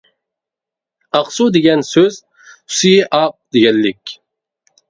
ئاقسۇ دېگەن سۆز سۈيى ئاق دېگەنلىك.